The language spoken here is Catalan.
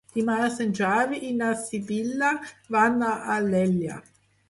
Dimarts en Xavi i na Sibil·la van a Alella.